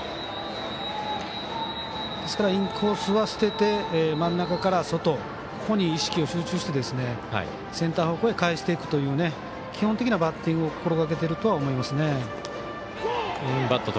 インコースは捨てて真ん中から外ここに意識を集中してセンター方向に返していくという基本的なバッティングを心がけているとは思います。